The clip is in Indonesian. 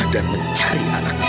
dan mencari anaknya